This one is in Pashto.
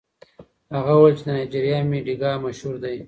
هغه وویل د نایجیریا مډیګا مشهور دی.